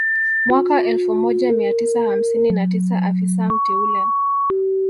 Mwaka elfu moja mia tisa hamsini na tisa afisa mteule